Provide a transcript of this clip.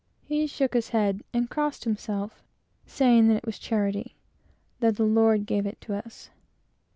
He shook his head, and crossed himself, saying that it was charity: that the Lord gave it to us.